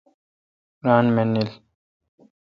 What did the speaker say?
ران منیل۔